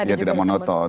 ya tidak monoton